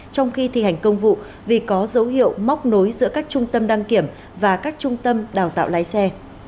trong khi thi hành công vụ vì có dấu hiệu móc nối giữa các trung tâm đăng kiểm và các trung tâm đào tạo lái xe